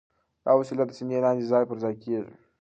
دا وسیله د سینې لاندې ځای پر ځای کېږي.